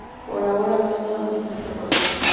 Por ahora no está en desarrollo.